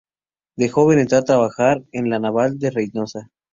De joven entró a trabajar en La Naval de Reinosa.